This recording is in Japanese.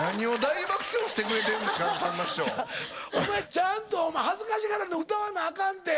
ちゃんとお前恥ずかしがらんと歌わなあかんって。